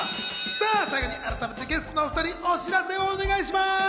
改めてゲストのお２人、お知らせをお願いします。